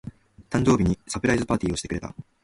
誕生日にサプライズパーティーをしてくれた。